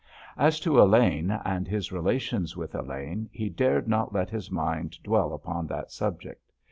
As to Elaine, and his relations with Elaine, he dared not let his mind dwell upon that subject.